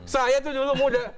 saya itu dulu muda